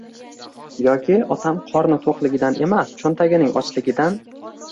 Yoki otam qorni to‘qligidan emas, cho‘ntagining «ochligidan»